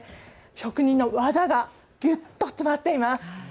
職人の技がぎゅっと詰まっています。